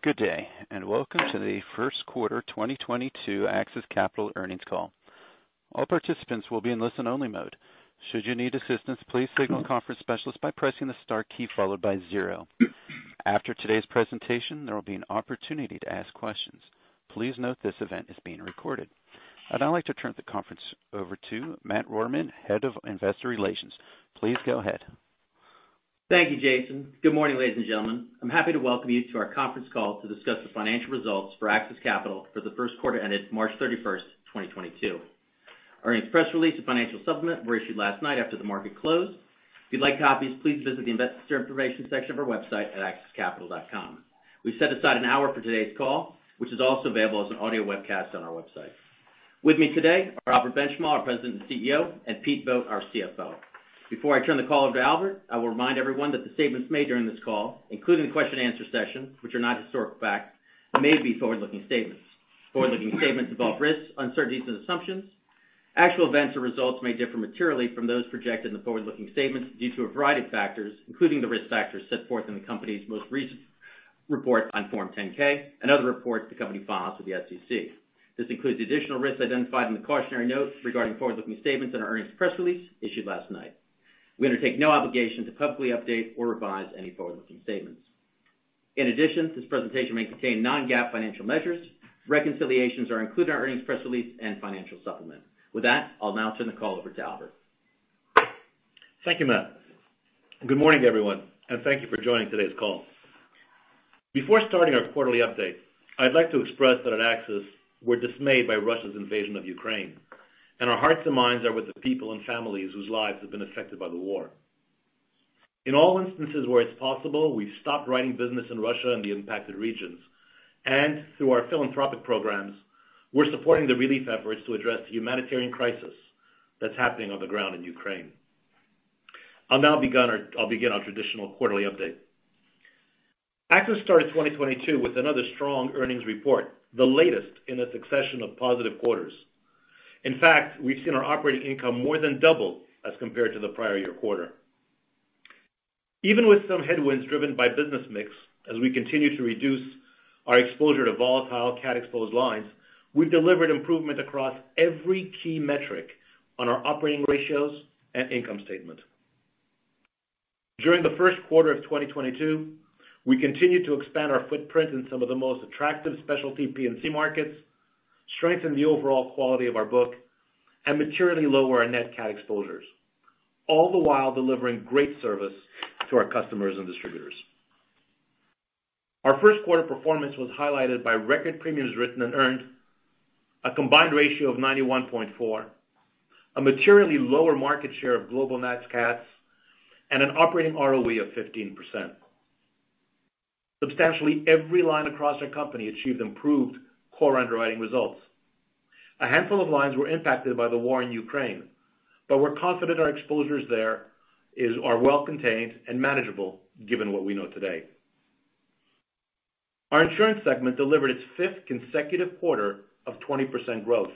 Good day. Welcome to the first quarter 2022 AXIS Capital earnings call. All participants will be in listen only mode. Should you need assistance, please signal a conference specialist by pressing the star key followed by zero. After today's presentation, there will be an opportunity to ask questions. Please note this event is being recorded. I'd now like to turn the conference over to Matt Roraback, head of investor relations. Please go ahead. Thank you, Jason. Good morning, ladies and gentlemen. I'm happy to welcome you to our conference call to discuss the financial results for AXIS Capital for the first quarter ended March 31st, 2022. Our press release and financial supplement were issued last night after the market closed. If you'd like copies, please visit the investor information section of our website at axiscapital.com. We set aside an hour for today's call, which is also available as an audio webcast on our website. With me today are Albert Benchimol, our president and CEO, and Pete Vogt, our CFO. Before I turn the call over to Albert, I will remind everyone that the statements made during this call, including the question answer session, which are not historic facts, may be forward-looking statements. Forward-looking statements involve risks, uncertainties, and assumptions. Actual events or results may differ materially from those projected in the forward-looking statements due to a variety of factors, including the risk factors set forth in the company's most recent report on Form 10-K and other reports the company files with the SEC. This includes additional risks identified in the cautionary notes regarding forward-looking statements in our earnings press release issued last night. We undertake no obligation to publicly update or revise any forward-looking statements. In addition, this presentation may contain non-GAAP financial measures. Reconciliations are included in our earnings press release and financial supplement. With that, I'll now turn the call over to Albert. Thank you, Matt. Good morning to everyone. Thank you for joining today's call. Before starting our quarterly update, I'd like to express that at AXIS, we're dismayed by Russia's invasion of Ukraine. Our hearts and minds are with the people and families whose lives have been affected by the war. In all instances where it's possible, we've stopped writing business in Russia and the impacted regions. Through our philanthropic programs, we're supporting the relief efforts to address the humanitarian crisis that's happening on the ground in Ukraine. I'll now begin our traditional quarterly update. AXIS started 2022 with another strong earnings report, the latest in a succession of positive quarters. In fact, we've seen our operating income more than double as compared to the prior year quarter. Even with some headwinds driven by business mix, as we continue to reduce our exposure to volatile cat exposed lines, we've delivered improvement across every key metric on our operating ratios and income statement. During the first quarter of 2022, we continued to expand our footprint in some of the most attractive specialty P&C markets, strengthen the overall quality of our book, and materially lower our net cat exposures, all the while delivering great service to our customers and distributors. Our first quarter performance was highlighted by record premiums written and earned, a combined ratio of 91.4%, a materially lower market share of global net cats, and an operating ROE of 15%. Substantially every line across our company achieved improved core underwriting results. A handful of lines were impacted by the war in Ukraine, but we're confident our exposures there are well contained and manageable given what we know today. Our insurance segment delivered its fifth consecutive quarter of 20% growth,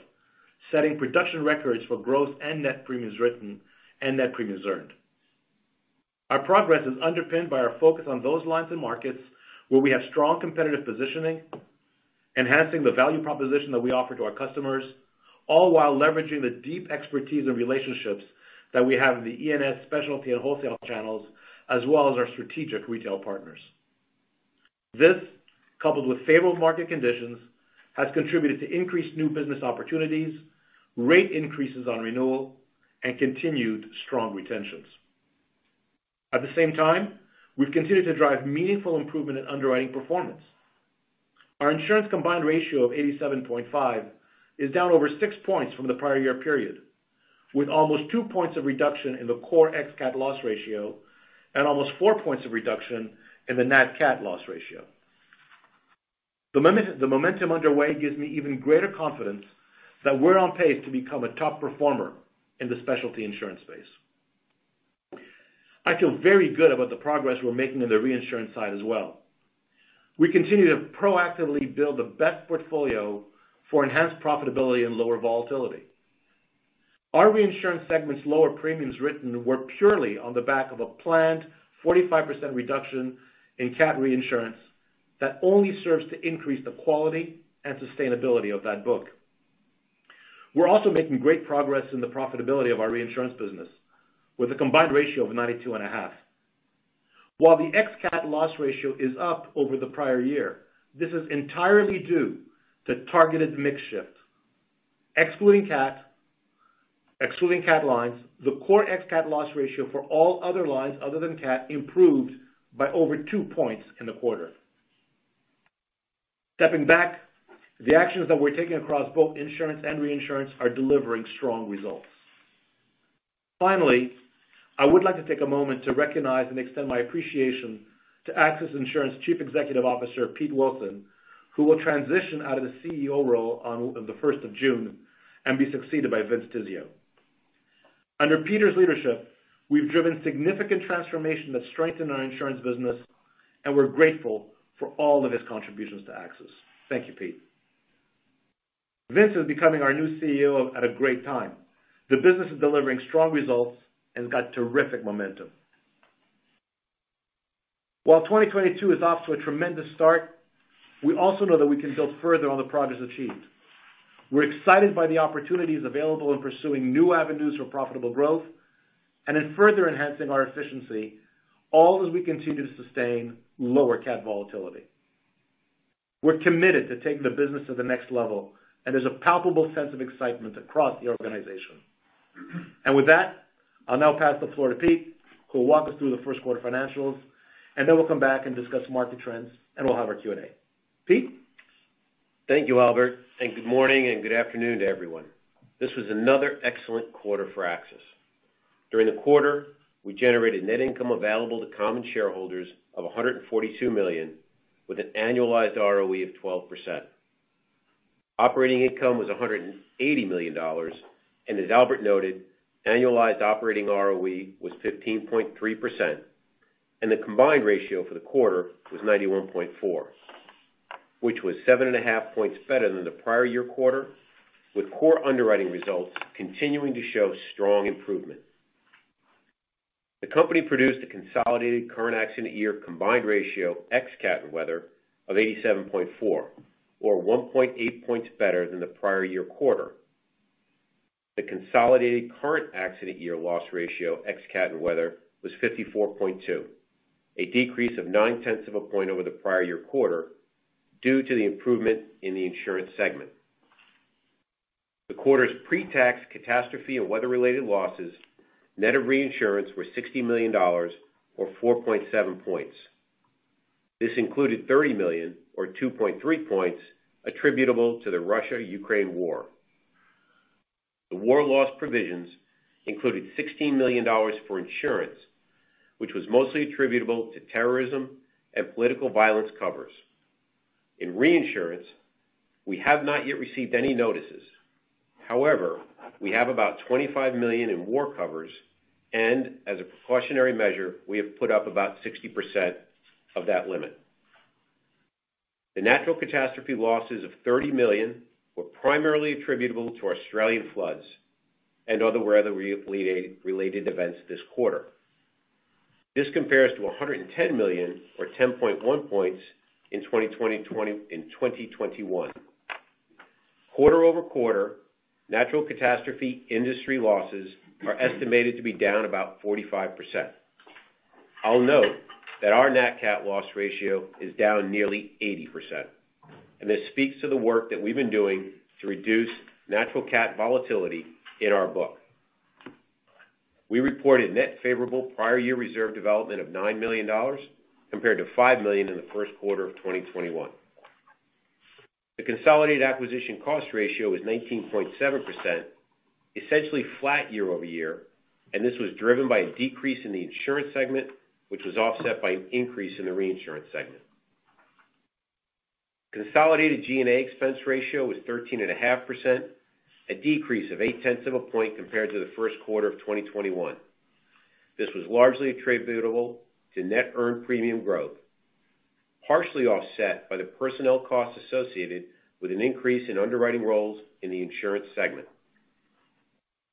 setting production records for growth and net premiums written and net premiums earned. Our progress is underpinned by our focus on those lines and markets where we have strong competitive positioning, enhancing the value proposition that we offer to our customers, all while leveraging the deep expertise and relationships that we have in the E&S specialty and wholesale channels, as well as our strategic retail partners. This, coupled with favorable market conditions, has contributed to increased new business opportunities, rate increases on renewal, and continued strong retentions. At the same time, we've continued to drive meaningful improvement in underwriting performance. Our insurance combined ratio of 87.5% is down over six points from the prior year period, with almost two points of reduction in the core ex-cat loss ratio and almost four points of reduction in the net cat loss ratio. The momentum underway gives me even greater confidence that we're on pace to become a top performer in the specialty insurance space. I feel very good about the progress we're making on the reinsurance side as well. We continue to proactively build the best portfolio for enhanced profitability and lower volatility. Our reinsurance segment's lower premiums written were purely on the back of a planned 45% reduction in cat reinsurance that only serves to increase the quality and sustainability of that book. We're also making great progress in the profitability of our reinsurance business with a combined ratio of 92.5%. While the ex-cat loss ratio is up over the prior year, this is entirely due to targeted mix shifts. Excluding cat lines, the core ex-cat loss ratio for all other lines other than cat improved by over two points in the quarter. Stepping back, the actions that we're taking across both insurance and reinsurance are delivering strong results. Finally, I would like to take a moment to recognize and extend my appreciation to AXIS Insurance Chief Executive Officer, Pete Wilson, who will transition out of the CEO role on the 1st of June and be succeeded by Vince Tizzio. Under Pete's leadership, we've driven significant transformation that's strengthened our insurance business, and we're grateful for all of his contributions to AXIS. Thank you, Pete. Vince is becoming our new CEO at a great time. The business is delivering strong results and has got terrific momentum. While 2022 is off to a tremendous start, we also know that we can build further on the progress achieved. We're excited by the opportunities available in pursuing new avenues for profitable growth and in further enhancing our efficiency, all as we continue to sustain lower cat volatility. We're committed to taking the business to the next level, there's a palpable sense of excitement across the organization. With that, I'll now pass the floor to Pete, who will walk us through the first quarter financials, then we'll come back and discuss market trends, we'll have our Q&A. Pete? Thank you, Albert, good morning and good afternoon to everyone. This was another excellent quarter for AXIS. During the quarter, we generated net income available to common shareholders of $142 million, with an annualized ROE of 12%. Operating income was $180 million, as Albert noted, annualized operating ROE was 15.3%, the combined ratio for the quarter was 91.4, which was 7 and a half points better than the prior year quarter, with core underwriting results continuing to show strong improvement. The company produced a consolidated current accident year combined ratio ex cat and weather of 87.4, or 1.8 points better than the prior year quarter. The consolidated current accident year loss ratio ex cat and weather was 54.2, a decrease of 9 tenths of a point over the prior year quarter due to the improvement in the insurance segment. The quarter's pre-tax catastrophe and weather-related losses, net of reinsurance, were $60 million, or 4.7 points. This included $30 million, or 2.3 points, attributable to the Russia-Ukraine war. The war loss provisions included $16 million for insurance, which was mostly attributable to terrorism and political violence covers. In reinsurance, we have not yet received any notices. However, we have about $25 million in war covers, as a precautionary measure, we have put up about 60% of that limit. The natural catastrophe losses of $30 million were primarily attributable to Australian floods and other weather-related events this quarter. This compares to $110 million, or 10.1 points, in 2021. Quarter-over-quarter, natural catastrophe industry losses are estimated to be down about 45%. I'll note that our nat cat loss ratio is down nearly 80%, this speaks to the work that we've been doing to reduce natural cat volatility in our book. We reported net favorable prior year reserve development of $9 million, compared to $5 million in the first quarter of 2021. The consolidated acquisition cost ratio was 19.7%, essentially flat year-over-year, this was driven by a decrease in the insurance segment, which was offset by an increase in the reinsurance segment. Consolidated G&A expense ratio was 13.5%, a decrease of 8 tenths of a point compared to the first quarter of 2021. This was largely attributable to net earned premium growth, partially offset by the personnel costs associated with an increase in underwriting roles in the insurance segment.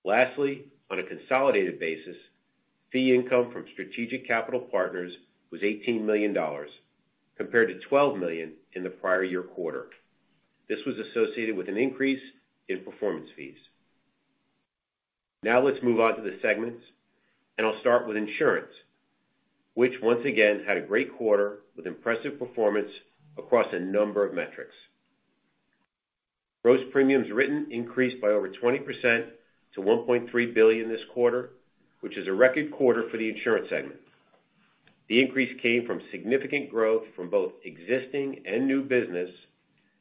Lastly, on a consolidated basis, fee income from strategic capital partners was $18 million, compared to $12 million in the prior year quarter. This was associated with an increase in performance fees. Now let's move on to the segments. I'll start with Insurance, which once again had a great quarter with impressive performance across a number of metrics. Gross premiums written increased by over 20% to $1.3 billion this quarter, which is a record quarter for the Insurance segment. The increase came from significant growth from both existing and new business,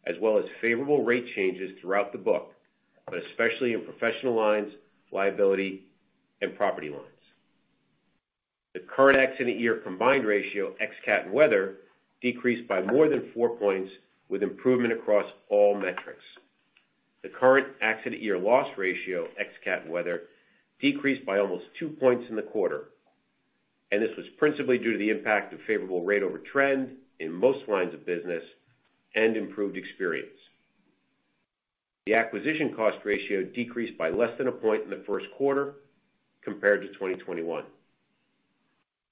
as well as favorable rate changes throughout the book, but especially in Professional Lines, liability, and property lines. The current accident year combined ratio ex-cat and weather decreased by more than four points with improvement across all metrics. The current accident year loss ratio ex-cat and weather decreased by almost two points in the quarter. This was principally due to the impact of favorable rate over trend in most lines of business and improved experience. The acquisition cost ratio decreased by less than a point in the first quarter compared to 2021.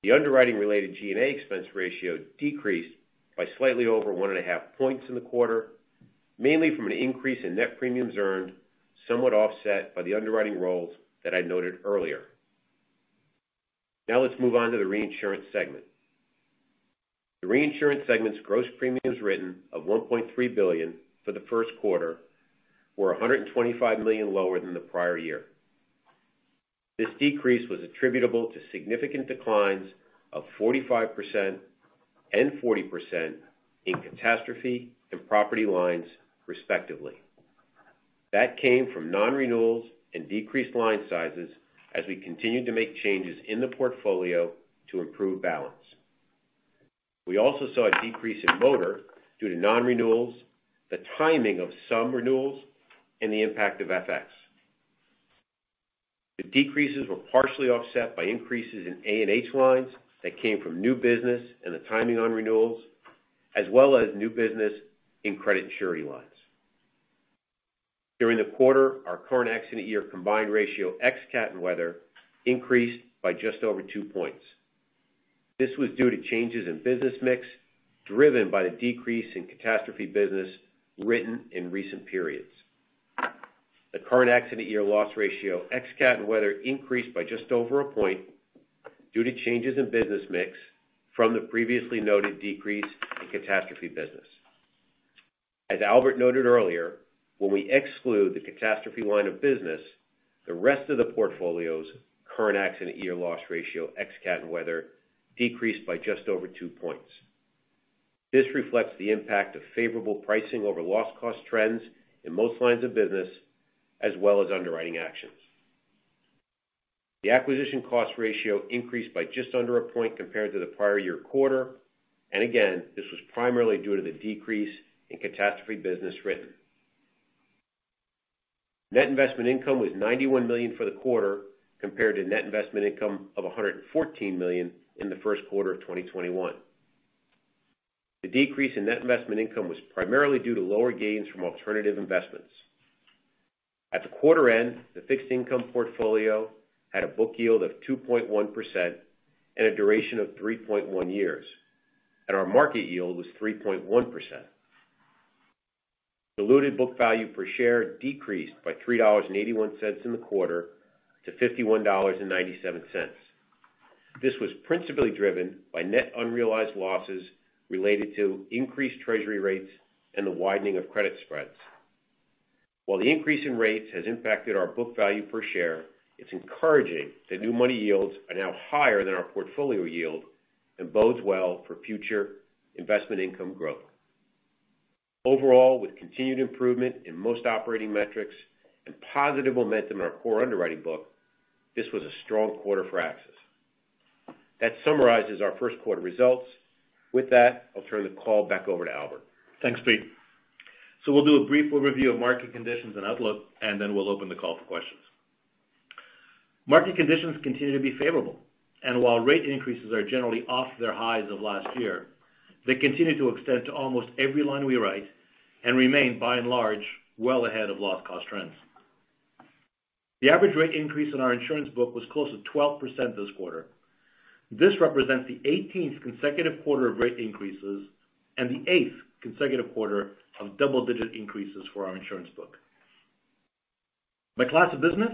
The underwriting-related G&A expense ratio decreased by slightly over one and a half points in the quarter, mainly from an increase in net premiums earned, somewhat offset by the underwriting roles that I noted earlier. Now let's move on to the Reinsurance segment. The Reinsurance segment's gross premiums written of $1.3 billion for the first quarter were $125 million lower than the prior year. This decrease was attributable to significant declines of 45% and 40% in catastrophe and property lines, respectively. That came from non-renewals and decreased line sizes as we continued to make changes in the portfolio to improve balance. We also saw a decrease in motor due to non-renewals, the timing of some renewals, and the impact of FX. The decreases were partially offset by increases in A&H lines that came from new business and the timing on renewals, as well as new business in credit surety lines. During the quarter, our current accident year combined ratio ex-cat and weather increased by just over two points. This was due to changes in business mix, driven by the decrease in catastrophe business written in recent periods. The current accident year loss ratio ex-cat and weather increased by just over a point due to changes in business mix from the previously noted decrease in catastrophe business. As Albert noted earlier, when we exclude the catastrophe line of business, the rest of the portfolio's current accident year loss ratio ex-cat and weather decreased by just over two points. This reflects the impact of favorable pricing over loss cost trends in most lines of business, as well as underwriting actions. The acquisition cost ratio increased by just under a point compared to the prior year quarter. Again, this was primarily due to the decrease in catastrophe business written. Net investment income was $91 million for the quarter compared to net investment income of $114 million in the first quarter of 2021. The decrease in net investment income was primarily due to lower gains from alternative investments. At the quarter end, the fixed income portfolio had a book yield of 2.1% and a duration of 3.1 years. Our market yield was 3.1%. Diluted book value per share decreased by $3.81 in the quarter to $51.97. This was principally driven by net unrealized losses related to increased treasury rates and the widening of credit spreads. While the increase in rates has impacted our book value per share, it's encouraging that new money yields are now higher than our portfolio yield and bodes well for future investment income growth. Overall, with continued improvement in most operating metrics and positive momentum in our core underwriting book, this was a strong quarter for AXIS. That summarizes our first quarter results. With that, I'll turn the call back over to Albert. Thanks, Pete. We'll do a brief overview of market conditions and outlook, then we'll open the call for questions. Market conditions continue to be favorable, while rate increases are generally off their highs of last year, they continue to extend to almost every line we write and remain, by and large, well ahead of loss cost trends. The average rate increase in our insurance book was close to 12% this quarter. This represents the 18th consecutive quarter of rate increases and the eighth consecutive quarter of double-digit increases for our insurance book. By class of business,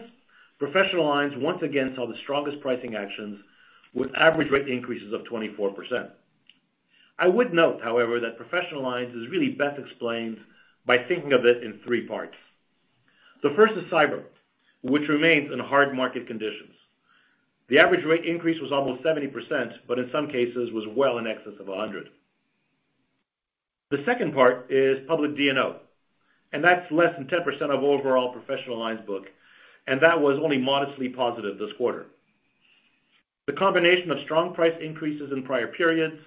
Professional Lines once again saw the strongest pricing actions with average rate increases of 24%. I would note, however, that Professional Lines is really best explained by thinking of it in three parts. The first is cyber, which remains in hard market conditions. The average rate increase was almost 70%, but in some cases was well in excess of 100. The second part is public D&O, that's less than 10% of overall Professional Lines book, and that was only modestly positive this quarter. The combination of strong price increases in prior periods,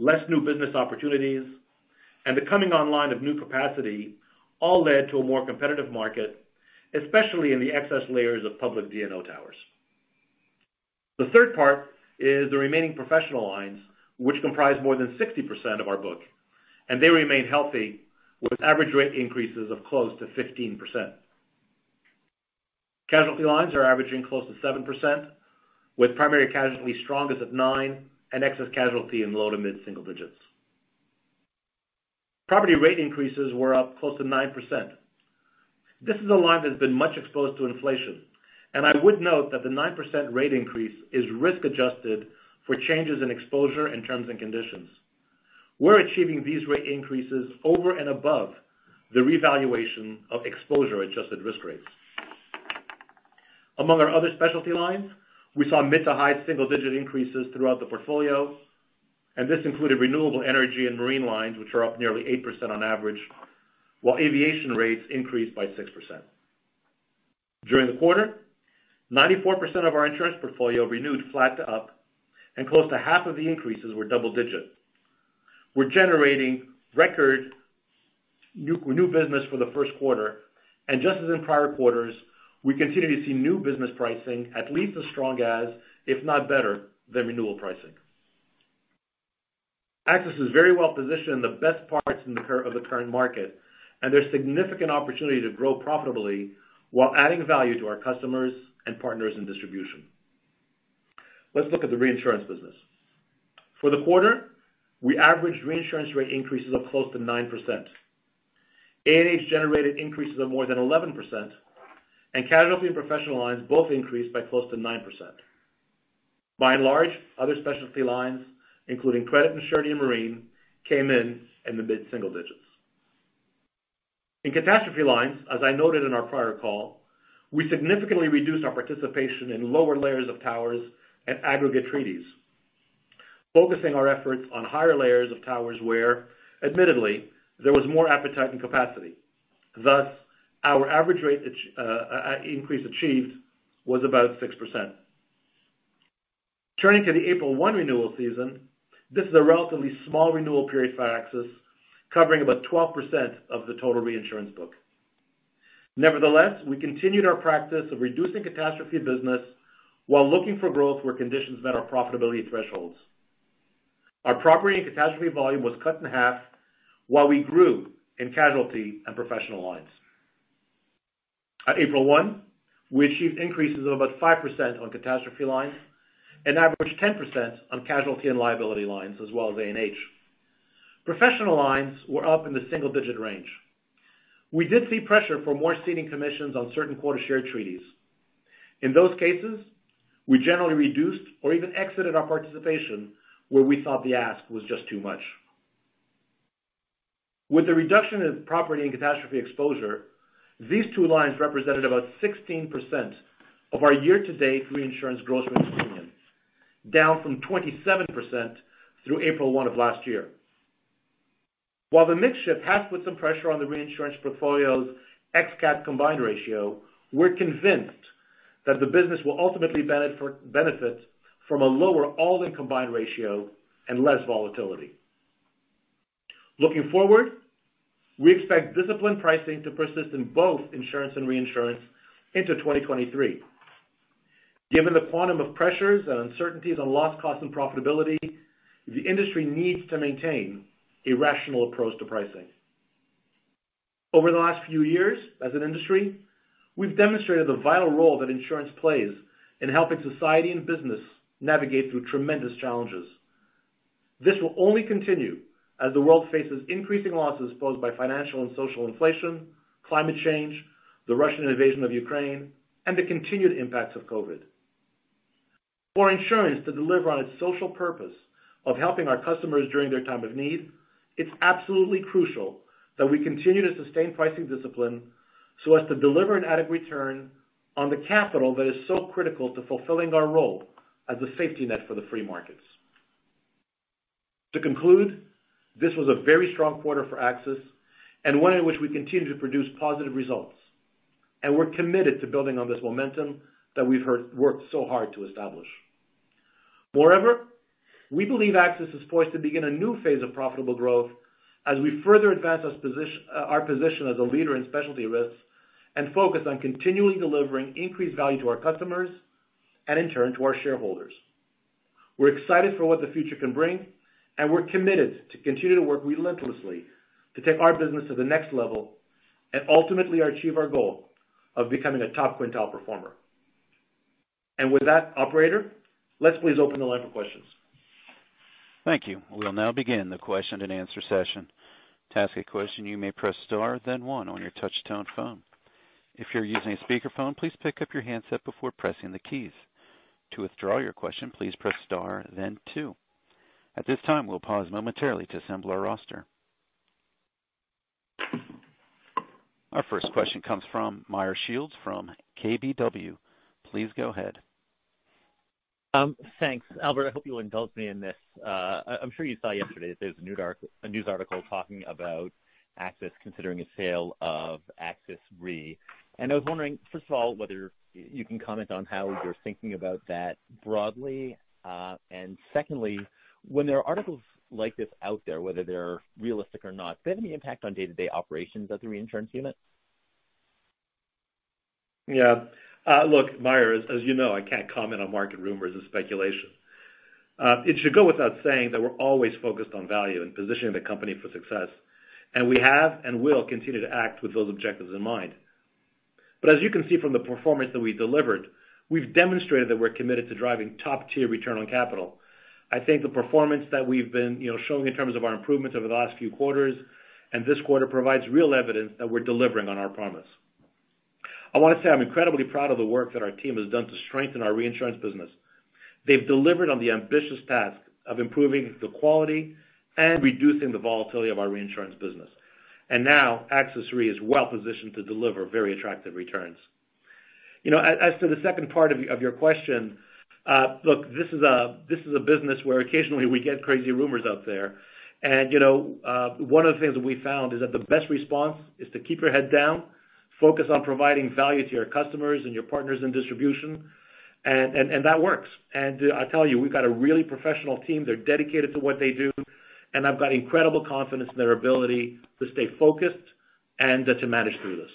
less new business opportunities, the coming online of new capacity all led to a more competitive market, especially in the excess layers of public D&O towers. The third part is the remaining Professional Lines, which comprise more than 60% of our book, they remain healthy with average rate increases of close to 15%. Casualty lines are averaging close to 7%, with primary casualty strongest at nine and excess casualty in low- to mid-single digits. Property rate increases were up close to 9%. This is a line that's been much exposed to inflation, I would note that the 9% rate increase is risk-adjusted for changes in exposure and terms and conditions. We're achieving these rate increases over and above the revaluation of exposure-adjusted risk rates. Among our other specialty lines, we saw mid- to high-single-digit increases throughout the portfolio, and this included renewable energy and marine lines, which are up nearly 8% on average, while aviation rates increased by 6%. During the quarter, 94% of our insurance portfolio renewed flat to up, close to half of the increases were double digits. We're generating record new business for the first quarter, just as in prior quarters, we continue to see new business pricing at least as strong as, if not better than, renewal pricing. AXIS is very well positioned in the best parts of the current market, There's significant opportunity to grow profitably while adding value to our customers and partners in distribution. Let's look at the reinsurance business. For the quarter, we averaged reinsurance rate increases of close to 9%. A&H generated increases of more than 11%, and catastrophe and Professional Lines both increased by close to 9%. By and large, other specialty lines, including credit, and surety, and marine, came in in the mid-single digits. In catastrophe lines, as I noted in our prior call, we significantly reduced our participation in lower layers of towers and aggregate treaties, focusing our efforts on higher layers of towers where admittedly there was more appetite and capacity. Thus, our average rate increase achieved was about 6%. Turning to the April 1 renewal season, this is a relatively small renewal period for AXIS, covering about 12% of the total reinsurance book. Nevertheless, we continued our practice of reducing catastrophe business while looking for growth where conditions met our profitability thresholds. Our property and catastrophe volume was cut in half while we grew in casualty and Professional Lines. At April 1, we achieved increases of about 5% on catastrophe lines and average 10% on casualty and liability lines as well as A&H. Professional Lines were up in the single-digit range. We did see pressure for more ceding commissions on certain quota share treaties. In those cases, we generally reduced or even exited our participation where we thought the ask was just too much. With the reduction in property and catastrophe exposure, these two lines represented about 16% of our year-to-date reinsurance gross written premiums, down from 27% through April 1 of last year. While the mix shift has put some pressure on the reinsurance portfolio's ex-cat combined ratio, we're convinced that the business will ultimately benefit from a lower all-in combined ratio and less volatility. Looking forward, we expect disciplined pricing to persist in both insurance and reinsurance into 2023. Given the quantum of pressures and uncertainties on loss cost and profitability, the industry needs to maintain a rational approach to pricing. Over the last few years as an industry, we've demonstrated the vital role that insurance plays in helping society and business navigate through tremendous challenges. This will only continue as the world faces increasing losses posed by financial and social inflation, climate change, the Russian invasion of Ukraine, and the continued impacts of COVID. For insurance to deliver on its social purpose of helping our customers during their time of need, it's absolutely crucial that we continue to sustain pricing discipline so as to deliver an adequate return on the capital that is so critical to fulfilling our role as a safety net for the free markets. To conclude, this was a very strong quarter for AXIS and one in which we continue to produce positive results, We're committed to building on this momentum that we've worked so hard to establish. Moreover, we believe AXIS is poised to begin a new phase of profitable growth as we further advance our position as a leader in specialty risks and focus on continually delivering increased value to our customers and in turn to our shareholders. We're excited for what the future can bring, and we're committed to continue to work relentlessly to take our business to the next level and ultimately achieve our goal of becoming a top quintile performer. With that, operator, let's please open the line for questions. Thank you. We'll now begin the question and answer session. To ask a question, you may press star then one on your touchtone phone. If you're using a speakerphone, please pick up your handset before pressing the keys. To withdraw your question, please press star then two. At this time, we'll pause momentarily to assemble our roster. Our first question comes from Meyer Shields from KBW. Please go ahead. Thanks. Albert, I hope you'll indulge me in this. I'm sure you saw yesterday there was a news article talking about AXIS considering a sale of AXIS Re. I was wondering, first of all, whether you can comment on how you're thinking about that broadly. Secondly, when there are articles like this out there, whether they're realistic or not, do they have any impact on day-to-day operations at the reinsurance unit? Yeah. Look, Meyer, as you know, I can't comment on market rumors and speculation. It should go without saying that we're always focused on value and positioning the company for success, we have and will continue to act with those objectives in mind. As you can see from the performance that we delivered, we've demonstrated that we're committed to driving top-tier return on capital. I think the performance that we've been showing in terms of our improvements over the last few quarters and this quarter provides real evidence that we're delivering on our promise. I want to say I'm incredibly proud of the work that our team has done to strengthen our reinsurance business. They've delivered on the ambitious task of improving the quality and reducing the volatility of our reinsurance business. Now AXIS Re is well-positioned to deliver very attractive returns. As to the second part of your question, look, this is a business where occasionally we get crazy rumors out there and one of the things that we found is that the best response is to keep your head down, focus on providing value to your customers and your partners in distribution, and that works. I tell you, we've got a really professional team. They're dedicated to what they do, and I've got incredible confidence in their ability to stay focused and to manage through this.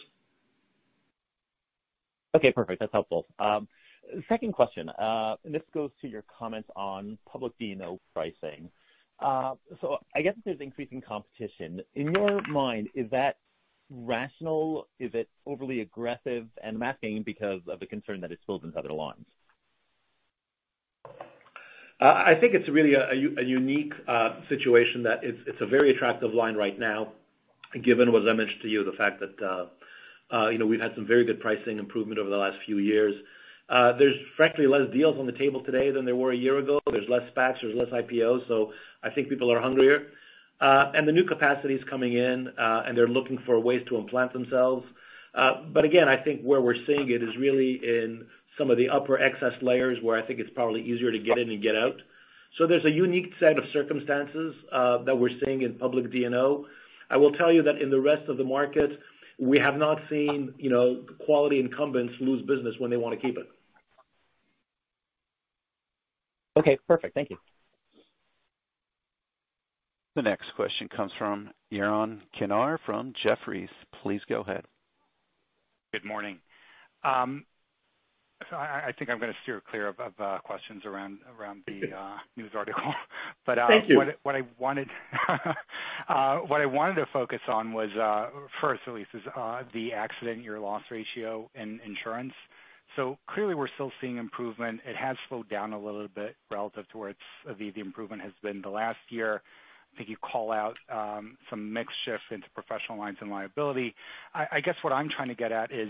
Okay, perfect. That's helpful. Second question, this goes to your comments on public D&O pricing. I guess there's increasing competition. In your mind, is that rational? Is it overly aggressive and masking because of the concern that it spills into other lines? I think it's really a unique situation that it's a very attractive line right now, given what I mentioned to you, the fact that we've had some very good pricing improvement over the last few years. There's frankly less deals on the table today than there were a year ago. There's less SPACs, there's less IPOs. I think people are hungrier. The new capacity is coming in, and they're looking for ways to implant themselves. Again, I think where we're seeing it is really in some of the upper excess layers where I think it's probably easier to get in and get out. There's a unique set of circumstances that we're seeing in public D&O. I will tell you that in the rest of the market, we have not seen quality incumbents lose business when they want to keep it. Okay, perfect. Thank you. The next question comes from Yaron Kinar from Jefferies. Please go ahead. Good morning. I think I'm going to steer clear of questions around the news article. Thank you. What I wanted to focus on was, first at least, is the accident year loss ratio in insurance. Clearly we're still seeing improvement. It has slowed down a little bit relative to where the improvement has been the last year. I think you call out some mix shift into Professional Lines and liability. I guess what I'm trying to get at is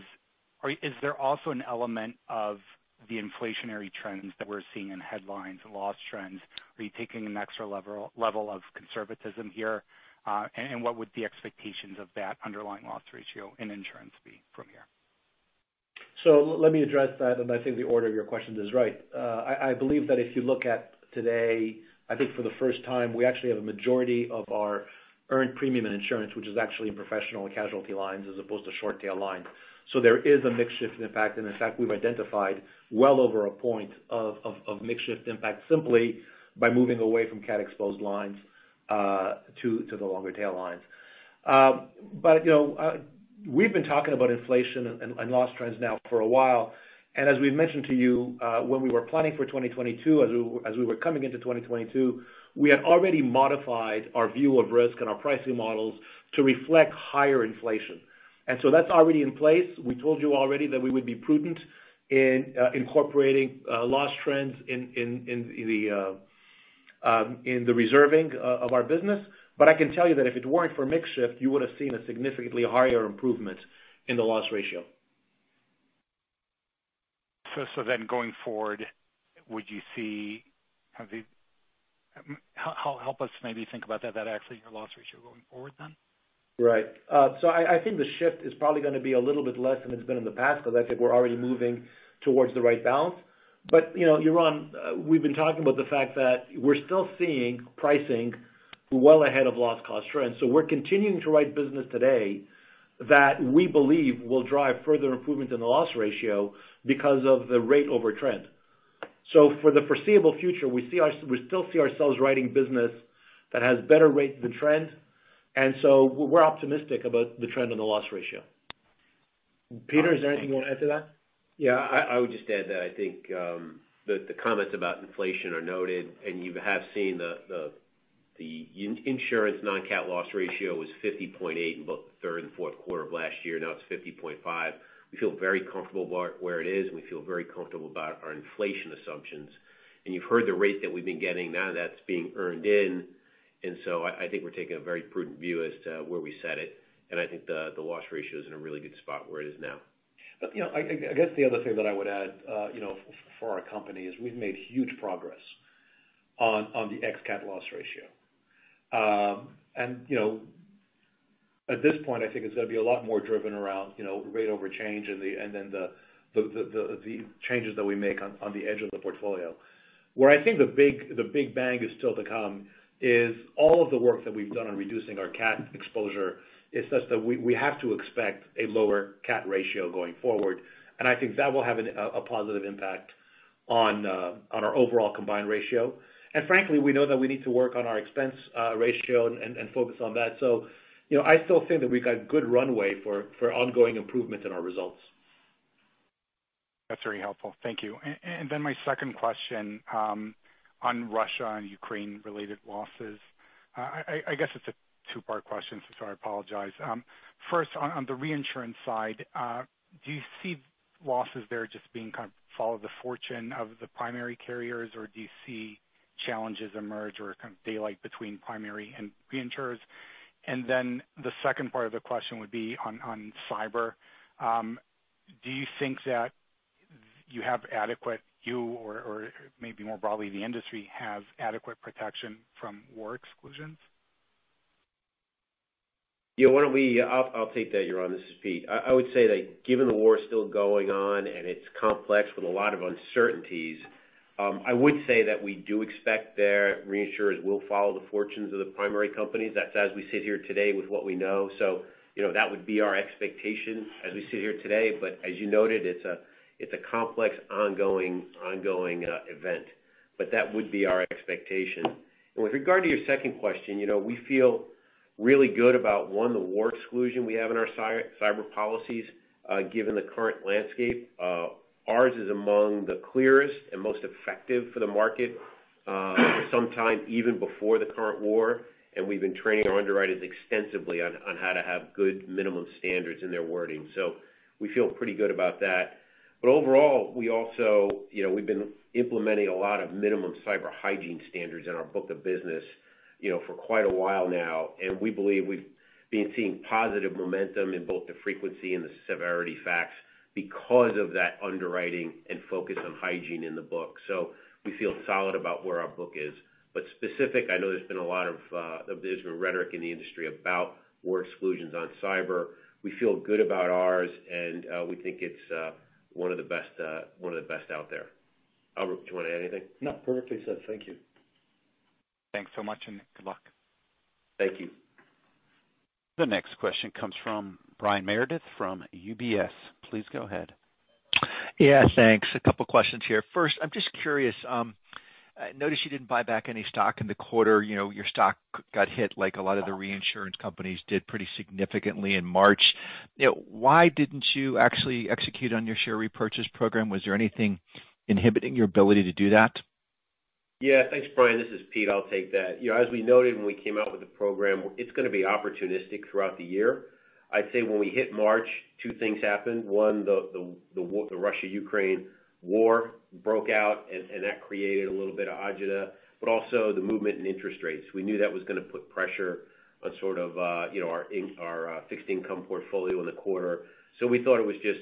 there also an element of the inflationary trends that we're seeing in headlines, loss trends? Are you taking an extra level of conservatism here? What would the expectations of that underlying loss ratio in insurance be from here? Let me address that, and I think the order of your questions is right. I believe that if you look at today, I think for the first time, we actually have a majority of our earned premium and insurance, which is actually in Professional Lines and casualty lines as opposed to short tail lines. There is a mix shift impact, and in fact, we've identified well over a one point of mix shift impact simply by moving away from cat exposed lines to the longer tail lines. We've been talking about inflation and loss trends now for a while, and as we've mentioned to you, when we were planning for 2022, as we were coming into 2022, we had already modified our view of risk and our pricing models to reflect higher inflation. That's already in place. We told you already that we would be prudent in incorporating loss trends in the reserving of our business. I can tell you that if it weren't for mix shift, you would've seen a significantly higher improvement in the loss ratio. Going forward, help us maybe think about that accident year loss ratio going forward then? Right. I think the shift is probably going to be a little bit less than it's been in the past because I think we're already moving towards the right balance. Yaron, we've been talking about the fact that we're still seeing pricing well ahead of loss cost trends. We're continuing to write business today that we believe will drive further improvement in the loss ratio because of the rate over trend. For the foreseeable future, we still see ourselves writing business that has better rates than trend, we're optimistic about the trend on the loss ratio. Pete, is there anything you want to add to that? Yeah, I would just add that I think that the comments about inflation are noted. You have seen the insurance non-cat loss ratio was 50.8 in both the third and fourth quarter of last year. Now it's 50.5. We feel very comfortable about where it is. We feel very comfortable about our inflation assumptions. You've heard the rate that we've been getting. Now that's being earned in. I think we're taking a very prudent view as to where we set it, and I think the loss ratio is in a really good spot where it is now. I guess the other thing that I would add for our company is we've made huge progress on the ex-cat loss ratio. At this point, I think it's going to be a lot more driven around rate over change. The changes that we make on the edge of the portfolio. Where I think the big bang is still to come is all of the work that we've done on reducing our cat exposure is such that we have to expect a lower cat ratio going forward. I think that will have a positive impact on our overall combined ratio. Frankly, we know that we need to work on our expense ratio and focus on that. I still think that we've got good runway for ongoing improvement in our results. That's very helpful. Thank you. My second question on Russia and Ukraine-related losses. I guess it's a two-part question. I apologize. First, on the reinsurance side, do you see losses there just being kind of follow the fortunes of the primary carriers, or do you see challenges emerge or kind of daylight between primary and reinsurers? The second part of the question would be on cyber. Do you think that you have adequate, you or maybe more broadly, the industry, have adequate protection from war exclusions? I'll take that, Yaron. This is Pete. I would say that given the war is still going on and it's complex with a lot of uncertainties, I would say that we do expect their reinsurers will follow the fortunes of the primary companies. That's as we sit here today with what we know. That would be our expectation as we sit here today. As you noted, it's a complex, ongoing event, but that would be our expectation. With regard to your second question, we feel really good about, one, the war exclusion we have in our cyber policies, given the current landscape. Ours is among the clearest and most effective for the market for some time, even before the current war. We've been training our underwriters extensively on how to have good minimum standards in their wording. We feel pretty good about that. Overall, we've been implementing a lot of minimum cyber hygiene standards in our book of business for quite a while now, and we believe we've been seeing positive momentum in both the frequency and the severity stats because of that underwriting and focus on hygiene in the book. We feel solid about where our book is. Specific, I know there's been rhetoric in the industry about war exclusions on cyber. We feel good about ours, and we think it's one of the best out there. Albert, do you want to add anything? No. Perfectly said. Thank you. Thanks so much, and good luck. Thank you. The next question comes from Brian Meredith from UBS. Please go ahead. Yeah, thanks. A couple questions here. First, I'm just curious, I noticed you didn't buy back any stock in the quarter. Your stock got hit like a lot of the reinsurance companies did pretty significantly in March. Why didn't you actually execute on your share repurchase program? Was there anything inhibiting your ability to do that? Yeah. Thanks, Brian. This is Pete. I'll take that. As we noted when we came out with the program, it's going to be opportunistic throughout the year. I'd say when we hit March, two things happened. One, the Russia-Ukraine war broke out, that created a little bit of agita, also the movement in interest rates. We knew that was going to put pressure on our fixed income portfolio in the quarter. We thought it was just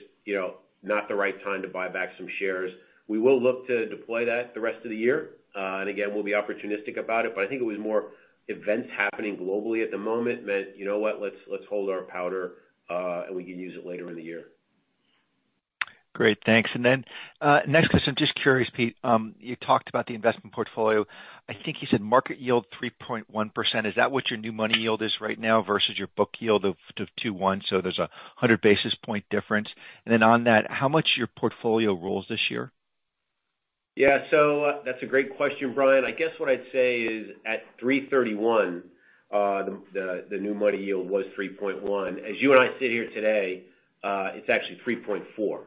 not the right time to buy back some shares. We will look to deploy that the rest of the year. Again, we'll be opportunistic about it, I think it was more events happening globally at the moment meant, you know what? Let's hold our powder, we can use it later in the year. Great. Thanks. Then, next question. Just curious, Pete, you talked about the investment portfolio. I think you said market yield 3.1%. Is that what your new money yield is right now versus your book yield of 2.1, there's 100 basis point difference? Then on that, how much of your portfolio rolls this year? Yeah. That's a great question, Brian. I guess what I'd say is at 331, the new money yield was 3.1%. As you and I sit here today, it's actually 3.4%.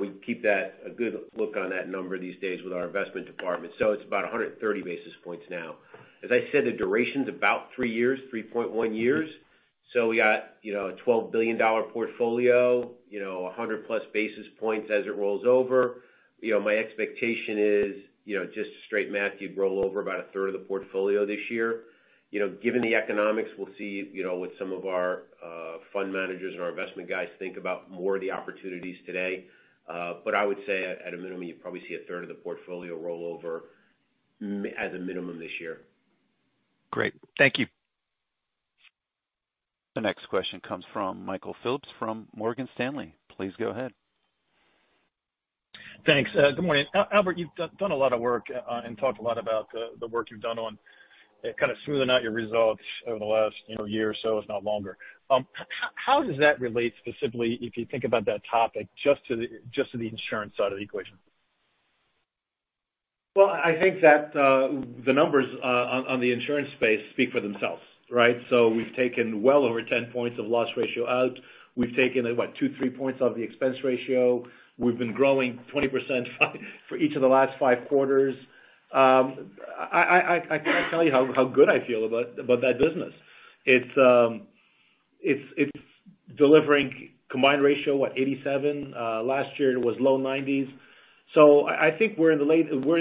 We keep a good look on that number these days with our investment department. It's about 130 basis points now. As I said, the duration's about 3 years, 3.1 years. We got a $12 billion portfolio, 100-plus basis points as it rolls over. My expectation is, just straight math, you'd roll over about a third of the portfolio this year. Given the economics, we'll see what some of our fund managers and our investment guys think about more of the opportunities today. I would say, at a minimum, you'd probably see a third of the portfolio roll over at a minimum this year. Great. Thank you. The next question comes from Michael Phillips from Morgan Stanley. Please go ahead. Thanks. Good morning. Albert, you've done a lot of work and talked a lot about the work you've done on kind of smoothing out your results over the last year or so, if not longer. How does that relate specifically, if you think about that topic, just to the insurance side of the equation? I think that the numbers on the insurance space speak for themselves. Right? We've taken well over 10 points of loss ratio out. We've taken, what, two, three points off the expense ratio. We've been growing 20% for each of the last five quarters. I can't tell you how good I feel about that business. It's delivering combined ratio, what? 87. Last year it was low 90s. I think we're in the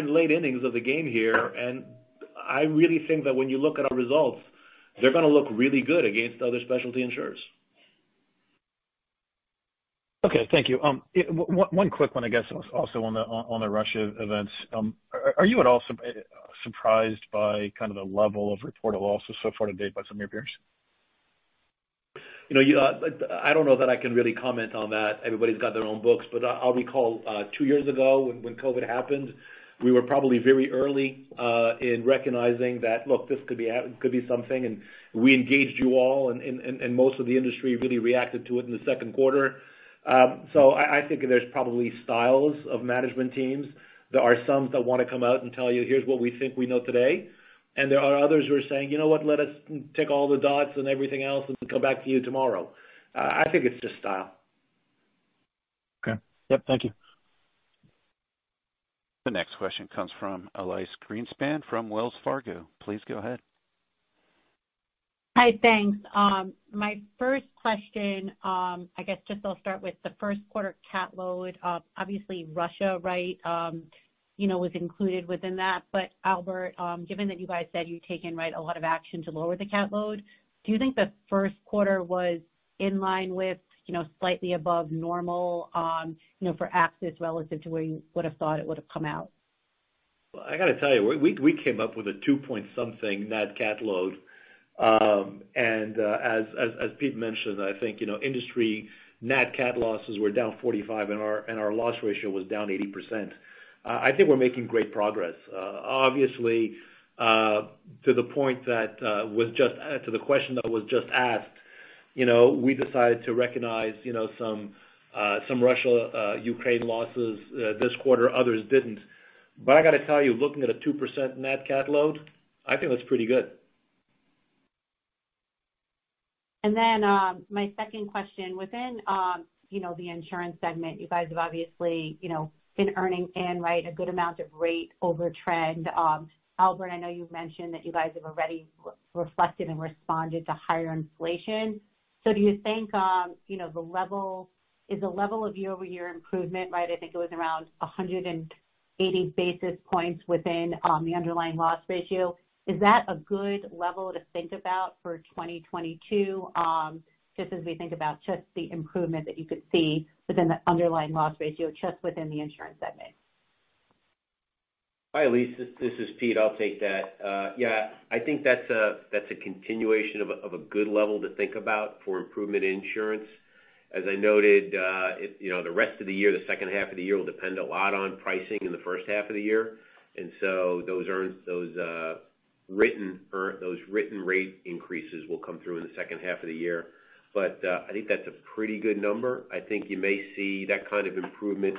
late innings of the game here, and I really think that when you look at our results, they're going to look really good against other specialty insurers. Okay. Thank you. One quick one, I guess, also on the Russia events. Are you at all surprised by the level of reported losses so far to date by some of your peers? I don't know that I can really comment on that. Everybody's got their own books. I'll recall two years ago when COVID happened, we were probably very early in recognizing that, look, this could be something, and we engaged you all, and most of the industry really reacted to it in the second quarter. I think there's probably styles of management teams. There are some that want to come out and tell you, here's what we think we know today, and there are others who are saying, you know what? Let us tick all the dots and everything else, and we'll come back to you tomorrow. I think it's just style. Okay. Yep. Thank you. The next question comes from Elyse Greenspan from Wells Fargo. Please go ahead. Hi. Thanks. My first question, I guess just I'll start with the first quarter cat load. Obviously, Russia was included within that. Albert, given that you guys said you've taken a lot of action to lower the cat load, do you think the first quarter was in line with slightly above normal for AXIS relative to where you would have thought it would have come out? I've got to tell you, we came up with a two-point-something net cat load. As Pete mentioned, I think industry net cat losses were down 45% and our loss ratio was down 80%. I think we're making great progress. Obviously, to the question that was just asked, we decided to recognize some Russia-Ukraine losses this quarter. Others didn't. I got to tell you, looking at a 2% net cat load, I think that's pretty good. My second question, within the insurance segment, you guys have obviously been earning in a good amount of rate over trend. Albert, I know you've mentioned that you guys have already reflected and responded to higher inflation. Do you think is the level of year-over-year improvement, I think it was around 180 basis points within the underlying loss ratio, is that a good level to think about for 2022? Just as we think about just the improvement that you could see within the underlying loss ratio just within the insurance segment. Hi, Elyse. This is Pete. I'll take that. I think that's a continuation of a good level to think about for improvement in insurance. As I noted, the rest of the year, the second half of the year will depend a lot on pricing in the first half of the year. Those written rate increases will come through in the second half of the year. I think that's a pretty good number. I think you may see that kind of improvement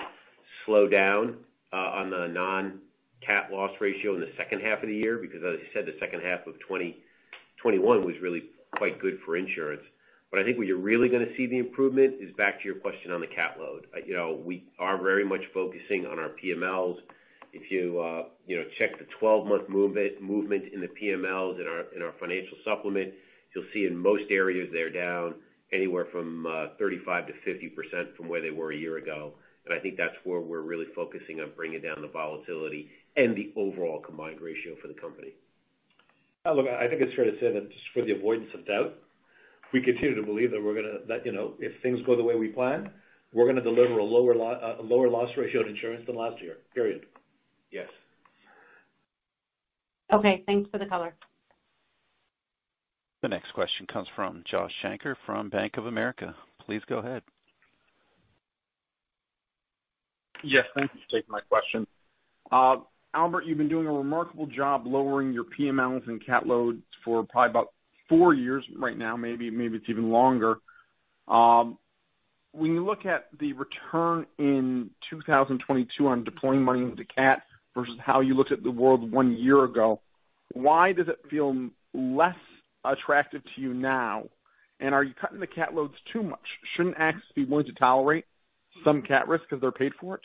slow down on the non-cat loss ratio in the second half of the year because, as you said, the second half of 2021 was really quite good for insurance. I think where you're really going to see the improvement is back to your question on the cat load. We are very much focusing on our PMLs. If you check the 12-month movement in the PMLs in our financial supplement, you'll see in most areas they're down anywhere from 35%-50% from where they were a year ago. I think that's where we're really focusing on bringing down the volatility and the overall combined ratio for the company. Look, I think it's fair to say that just for the avoidance of doubt, we continue to believe that if things go the way we plan, we're going to deliver a lower loss ratio in insurance than last year. Period. Yes. Okay. Thanks for the color. The next question comes from Josh Shanker from Bank of America. Please go ahead. Yes, thank you for taking my question. Albert, you've been doing a remarkable job lowering your PMLs and cat loads for probably about four years right now, maybe it's even longer. When you look at the return in 2022 on deploying money into cat versus how you looked at the world one year ago, why does it feel less attractive to you now? Are you cutting the cat loads too much? Shouldn't AXIS be willing to tolerate some cat risk if they're paid for it?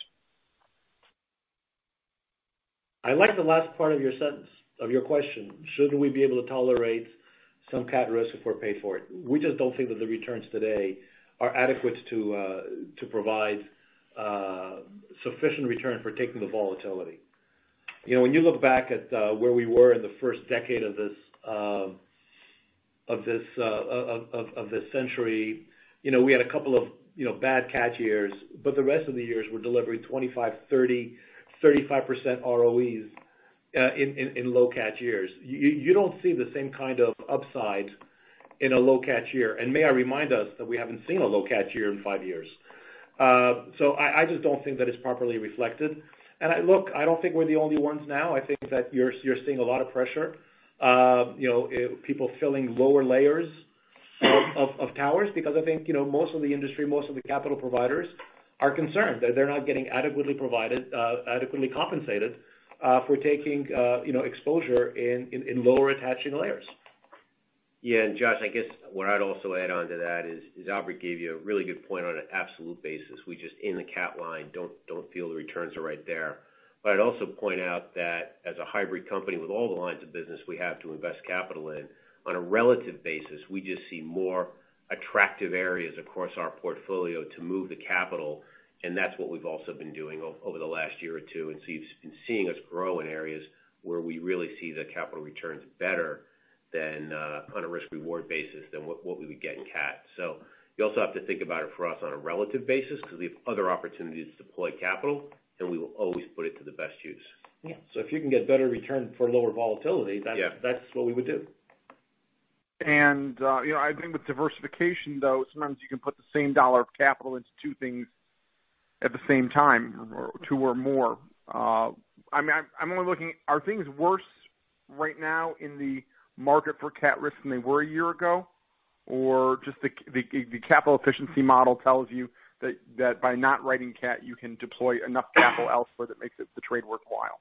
I like the last part of your question. Should we be able to tolerate some cat risk if we're paid for it? We just don't think that the returns today are adequate to provide sufficient return for taking the volatility. When you look back at where we were in the first decade of this century, we had a couple of bad cat years, the rest of the years we're delivering 25%, 30%, 35% ROEs in low cat years. You don't see the same kind of upsides in a low cat year. May I remind us that we haven't seen a low cat year in five years. I just don't think that it's properly reflected. Look, I don't think we're the only ones now. I think that you're seeing a lot of pressure, people filling lower layers of towers because I think, most of the industry, most of the capital providers are concerned that they're not getting adequately compensated for taking exposure in lower attaching layers. Yeah. Josh, I guess what I'd also add on to that is, Albert gave you a really good point on an absolute basis. We just, in the cat line, don't feel the returns are right there. I'd also point out that as a hybrid company with all the lines of business we have to invest capital in, on a relative basis, we just see more attractive areas across our portfolio to move the capital, that's what we've also been doing over the last year or two, seeing us grow in areas where we really see the capital returns better on a risk/reward basis than what we would get in cat. You also have to think about it for us on a relative basis because we have other opportunities to deploy capital, we will always put it to the best use. Yeah. If you can get better return for lower volatility. Yeah That's what we would do. I think with diversification, though, sometimes you can put the same dollar of capital into two things at the same time, or two or more. I'm only looking, are things worse right now in the market for cat risk than they were a year ago? Just the capital efficiency model tells you that by not writing cat, you can deploy enough capital elsewhere that makes the trade worthwhile?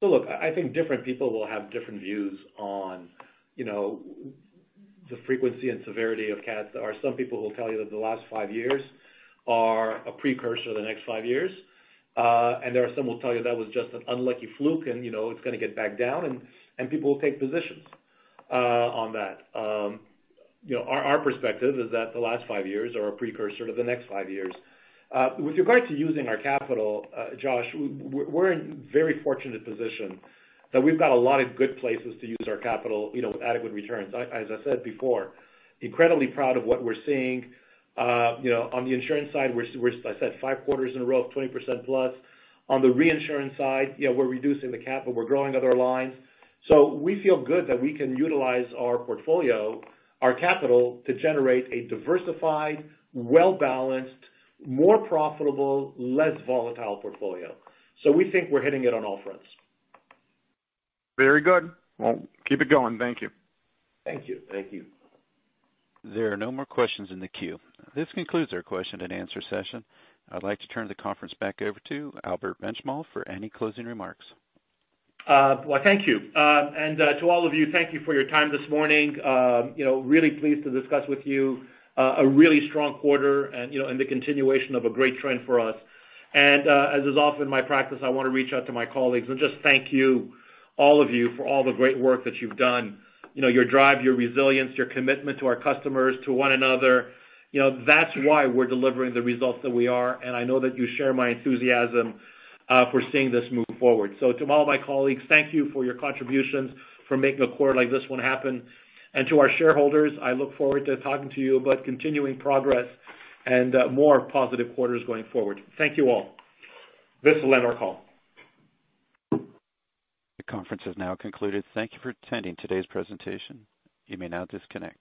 Look, I think different people will have different views on the frequency and severity of cats. There are some people who will tell you that the last five years are a precursor to the next five years. There are some who will tell you that was just an unlucky fluke, and it's going to get back down, and people will take positions on that. Our perspective is that the last five years are a precursor to the next five years. With regard to using our capital, Josh, we're in a very fortunate position that we've got a lot of good places to use our capital with adequate returns. As I said before, incredibly proud of what we're seeing. On the insurance side, we're, as I said, five quarters in a row of 20% plus. On the reinsurance side, we're reducing the capital, we're growing other lines. We feel good that we can utilize our portfolio, our capital, to generate a diversified, well-balanced, more profitable, less volatile portfolio. We think we're hitting it on all fronts. Very good. Well, keep it going. Thank you. Thank you. Thank you. There are no more questions in the queue. This concludes our question and answer session. I'd like to turn the conference back over to Albert Benchimol for any closing remarks. Well, thank you. To all of you, thank you for your time this morning. Really pleased to discuss with you a really strong quarter and the continuation of a great trend for us. As is often my practice, I want to reach out to my colleagues and just thank you, all of you, for all the great work that you've done. Your drive, your resilience, your commitment to our customers, to one another. That's why we're delivering the results that we are, and I know that you share my enthusiasm for seeing this move forward. To all my colleagues, thank you for your contributions, for making a quarter like this one happen. To our shareholders, I look forward to talking to you about continuing progress and more positive quarters going forward. Thank you all. This will end our call. The conference has now concluded. Thank you for attending today's presentation. You may now disconnect.